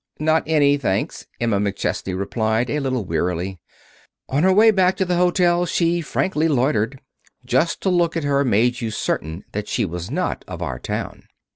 "Not any, thanks," Emma McChesney replied, a little wearily. On her way back to the hotel she frankly loitered. Just to look at her made you certain that she was not of our town.